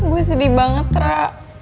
gue sedih banget ra